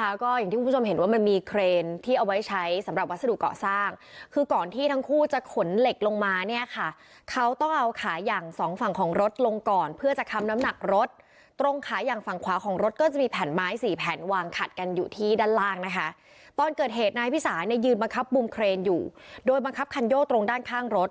ดังดังดังดังดังดังดังดังดังดังดังดังดังดังดังดังดังดังดังดังดังดังดังดังดังดังดังดังดังดังดังดังดังดังดังดังดังดังดังดังดังดังดังดังดังดังดังดังดังดังดังดังดังดังดังด